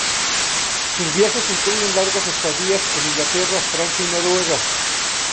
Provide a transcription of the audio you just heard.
Sus viajes incluyen largas estadías en Inglaterra, Francia y Noruega.